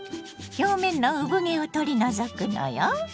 表面の産毛を取り除くのよ。